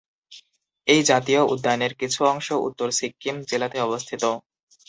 এই জাতীয় উদ্যানের কিছু অংশ উত্তর সিক্কিম জেলাতে অবস্থিত।